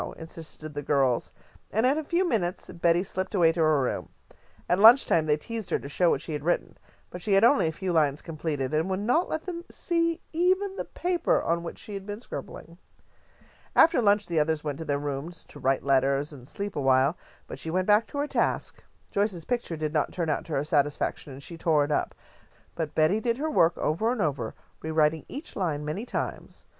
insisted the girls, and in a few minutes Betty slipped away to her room. At lunch time they teased her to show them what she had written, but she had only a few lines completed, and would not let them see even the paper on which she had been scribbling. After lunch the others went to their rooms to write letters and sleep awhile, but she went back to her task. Joyce's picture did not turn out to her satisfaction, and she tore it up, but Betty did her work over and over, rewriting each line many times.